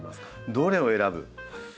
どれを選ぶ。